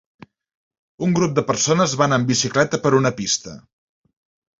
Un grup de persones van en bicicleta per una pista.